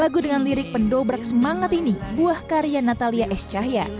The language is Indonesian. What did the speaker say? lagu dengan lirik pendobrak semangat ini buah karya natalia es cahya